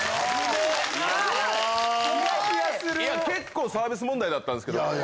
結構サービス問題だったんですけど。